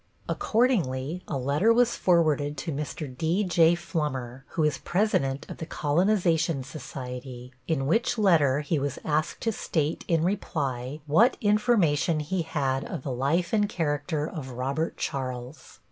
Accordingly a letter was forwarded to Mr. D.J. Flummer, who is president of the colonization society, in which letter he was asked to state in reply what information he had of the life and character of Robert Charles.